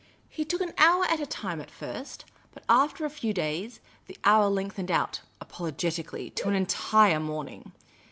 He took an hour at a time at first ; but after a few days, the hour lengthened out (apologetically) to an entire morning.